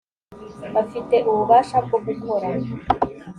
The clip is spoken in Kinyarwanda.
bafite ububasha bwo gukora